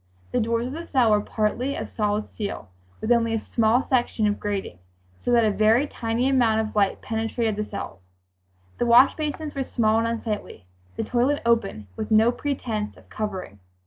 The doors of the cell were partly of solid steel with only a small section of grating, so that a very tiny amount of light penetrated the cells. The wash basins were small and unsightly; the toilet open, with no pretense of covering.